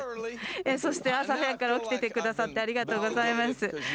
そして朝早くから起きててくださってありがとうございます。